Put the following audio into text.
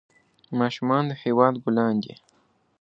ماشومان د هېواد ګلان دي.